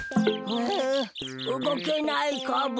あうごけないカボ。